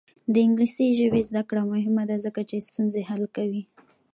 د انګلیسي ژبې زده کړه مهمه ده ځکه چې ستونزې حل کوي.